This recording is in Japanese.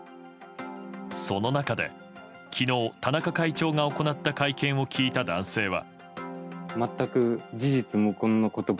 その中で昨日、田中会長が行った会見を聞いた男性は。